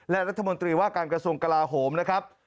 และรัฐมนตรีว่าการกระทรวงกลาโหมนะครับ